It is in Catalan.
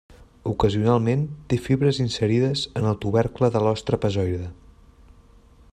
Ocasionalment té fibres inserides en el tubercle de l'os trapezoide.